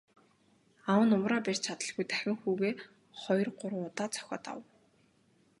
Аав нь уураа барьж чадалгүй дахин хүүгээ хоёр гурван удаа цохиод авав.